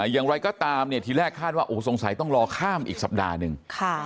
อ่าอย่างไรก็ตามเนี่ยทีแรกคาดว่าโอ้สงสัยต้องรอข้ามอีกสัปดาห์หนึ่งค่ะ